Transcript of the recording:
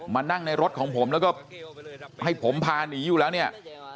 มานั่งในรถของผมแล้วก็ให้ผมพาหนีอยู่แล้วเนี่ย